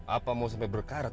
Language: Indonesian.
apa mau sampai berkarat